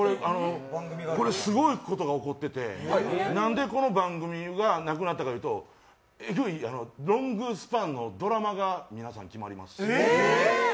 これ、すごいことが起こってて、なんでこの番組がなくなったかというと、エグいロングスパンのドラマが皆さん決まります。